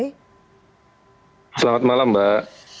selamat malam mbak